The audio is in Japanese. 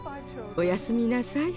「おやすみなさい。